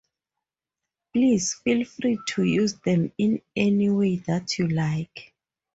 Please feel free to use them in any way that you like.